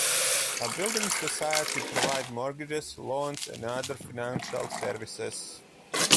A building society provides mortgages, loans and other financial services